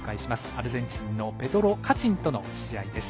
アルゼンチンのペドロ・カチンとの試合です。